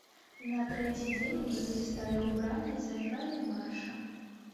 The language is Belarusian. На трэці дзень музыкі сталі ў браме і зайгралі марша.